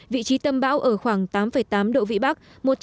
vị trí tâm bão ở khoảng tám tám độ vĩ bắc